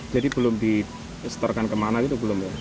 jadi belum disetarkan kemana gitu belum ya